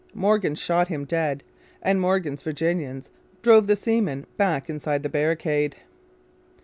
Morgan shot him dead, and Morgan's Virginians drove the seamen back inside the barricade.